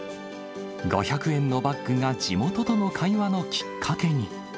５００円のバッグが、地元との会話のきっかけに。